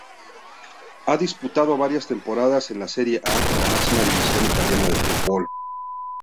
Ha disputado varias temporadas en la Serie A, la máxima división italiana de fútbol.